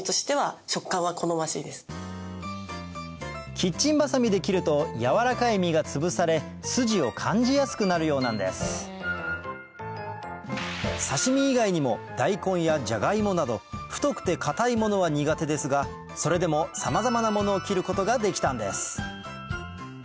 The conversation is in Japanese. キッチンバサミで切ると軟らかい身がつぶされスジを感じやすくなるようなんです刺し身以外にも大根やじゃがいもなどそれでもさまざまなものを切ることができたんです